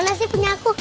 mana sih punya aku